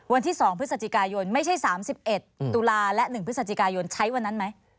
วันที่๒พฤศจิกายนไม่ใช่๓๑ตุลาและ๑พฤศจิกายนใช้วันนั้นไหม